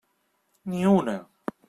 Ni una.